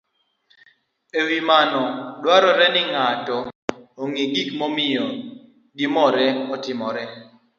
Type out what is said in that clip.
e wi mano, dwarore ni ng'ato ong'e gik momiyo gimoro otimore.